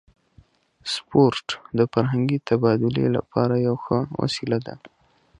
سپورت د فرهنګي تبادلې لپاره یوه ښه وسیله ده.